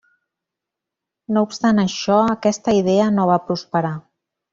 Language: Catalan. No obstant això aquesta idea no va prosperar.